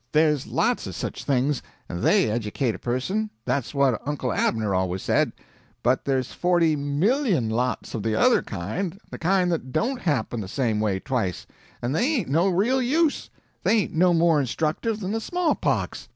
There's lots of such things, and they educate a person, that's what Uncle Abner always said; but there's forty million lots of the other kind—the kind that don't happen the same way twice—and they ain't no real use, they ain't no more instructive than the small pox.